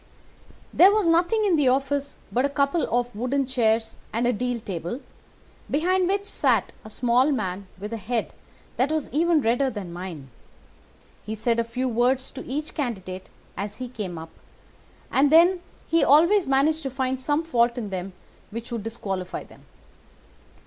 "There was nothing in the office but a couple of wooden chairs and a deal table, behind which sat a small man with a head that was even redder than mine. He said a few words to each candidate as he came up, and then he always managed to find some fault in them which would disqualify them.